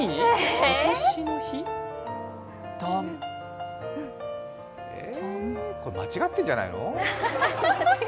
私のこれ間違ってるんじゃないの？